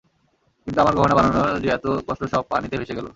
কিন্তু আমার গহনা বানানোর যে এতো কষ্ট সব পানিতে ভেসে গেলো।